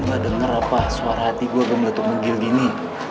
lo gak denger apa suara hati gue gemletuk munggil gini